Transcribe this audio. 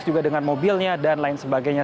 juga dengan mobilnya dan lain sebagainya